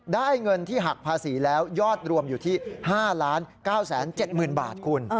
ได้เงินที่หักภาษีแล้วยอดรวมอยู่ที่๕๙๗๐๐บาทคุณ